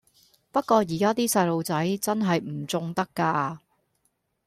不過而家啲細路仔真係唔縱得㗎